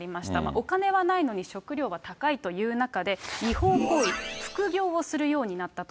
お金はないのに食料は高いという中で違法行為、副業をするようになったと。